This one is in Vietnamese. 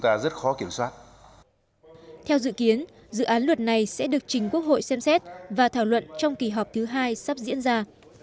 theo dự kiến dự án luật này sẽ được trình quốc hội xem xét và thảo luận trong kỳ họp thứ hai sắp diễn ra